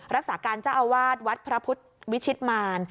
รักษาการเจ้าอาวาสวัดพระพุทธวิชิตมาร